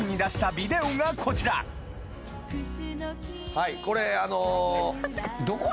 はいこれあの。